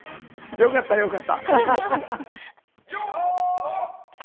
よかった、よかった。